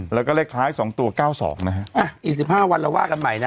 แล้วก็เลขค้ายสองตัวเก้าสองนะฮะอ่ะหมดทีสิบห้าวันเราว่ากันใหม่นะฮะ